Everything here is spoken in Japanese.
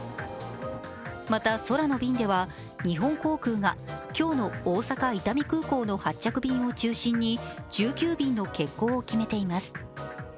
また、空の便では日本航空が今日の大阪・伊丹空港の発着便を中心に発着便を中心に１９便の欠航を決めています。